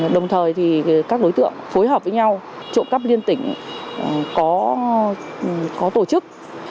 đồng thời thì các đối tượng phối hợp với nhau trộm cắp liên tỉnh có tổ chức